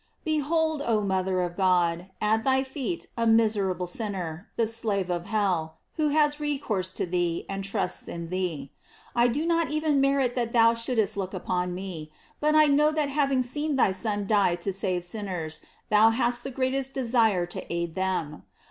BEHOLD, oh mother of God, at thy feet a mis erable sinner, the slave of hell, who has recourse to thee, and trusts in thee. I do not even merit that thou shouldst look upon me, but I know that having seen thy Son die to save sinners, thou hast the greatest desire to aid them.